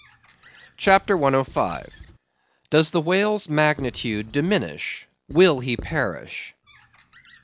CHAPTER 105. Does the Whale's Magnitude Diminish?—Will He Perish?